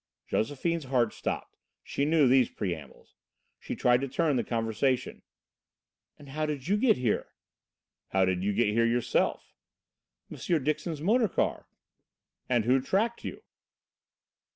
Josephine's heart stopped; she knew these preambles. She tried to turn the conversation. "And how did you get here?" "How did you get here yourself?" "M. Dixon's motor car." "And who tracked you?"